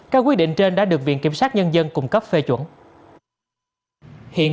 các quyết định trên đã được viện kiểm sát nhân dân cung cấp phê chuẩn